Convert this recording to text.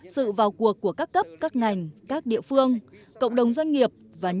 sự vào cuộc của các cấp các ngành các địa phương cộng đồng doanh nghiệp và nhân dân